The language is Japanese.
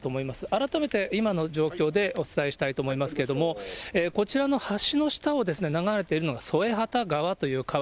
改めて今の状況でお伝えしたいと思いますけれども、こちらの橋の下を流れているのがそえはた川という川。